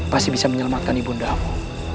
pasti bisa menyelamatkan ibu ndakmu